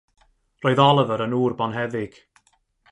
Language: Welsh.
Roedd Oliver yn ŵr bonheddig.